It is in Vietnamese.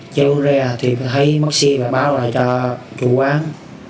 cháu ra thì thấy bà siêu và báo lại cho chủ quán